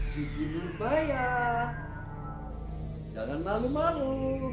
siti nurbaya jangan malu malu